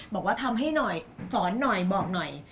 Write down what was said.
บอกว่าทำให้หน่อยสอนหน่อยบอกหน่อย